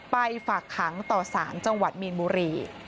ฝากขังต่อสารจังหวัดมีนบุรี